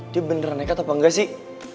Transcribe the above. dia bener nekat apa enggak sih